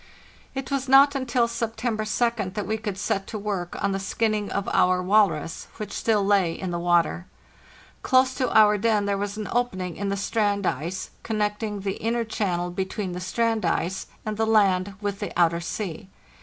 It was not until September 2d that we could set to work on the skinning of our walrus, which still lay in the water. Close to our den there was an opening in the strand ice,* connecting the inner channel between the strand ice and the land with the outer sea.